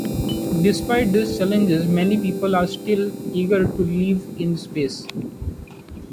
Despite these challenges, many people are still eager to live in space.